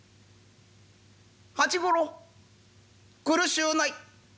「八五郎苦しゅうない。